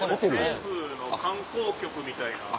政府の観光局みたいな。